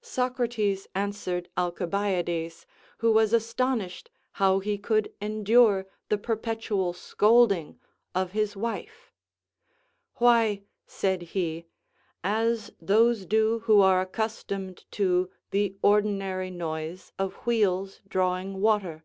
Socrates answered Alcibiades, who was astonished how he could endure the perpetual scolding of his wife, "Why," said he, "as those do who are accustomed to the ordinary noise of wheels drawing water."